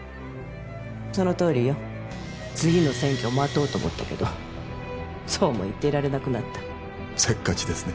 そのとおりよ次の選挙を待とうと思ったけどそうも言っていられなくなったせっかちですね